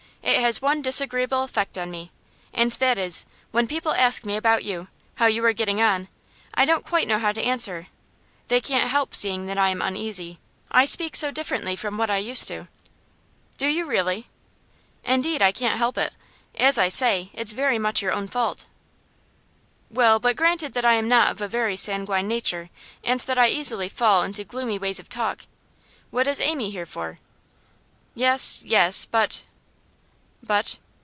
It has one disagreeable effect on me, and that is, when people ask me about you, how you are getting on, I don't quite know how to answer. They can't help seeing that I am uneasy. I speak so differently from what I used to.' 'Do you, really?' 'Indeed I can't help it. As I say, it's very much your own fault.' 'Well, but granted that I am not of a very sanguine nature, and that I easily fall into gloomy ways of talk, what is Amy here for?' 'Yes, yes. But ' 'But?